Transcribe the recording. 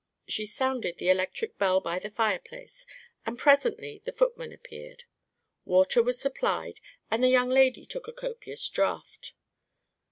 She sounded the electric bell by the fireplace, and presently the footman appeared. Water was supplied, and the young lady took a copious draught.